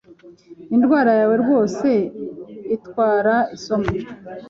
Indwara yawe rwose itwara isomo